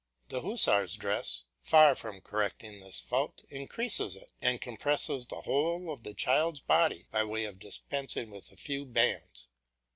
The hussar's dress, far from correcting this fault, increases it, and compresses the whole of the child's body, by way of dispensing with a few bands.